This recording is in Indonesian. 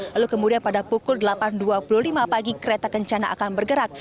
lalu kemudian pada pukul delapan dua puluh lima pagi kereta kencana akan bergerak